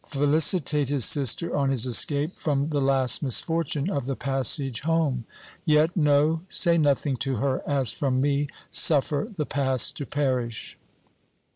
Felicitate his sister on his escape from the last misfortune of the passage home. Yet, no — say nothing to her as from me ; suffer the past to perish.